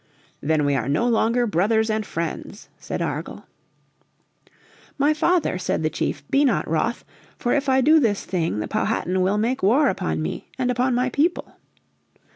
"Then we are no longer brothers and friends," said Argall. "My father," said the chief, "be not wroth. For if I do this thing the Powhatan will make war upon me and upon my people."